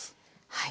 はい。